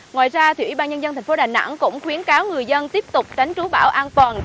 ngoài ra ủy ban nhân dân tp đà nẵng cũng khuyến cáo người dân tiếp tục tránh trú bão an toàn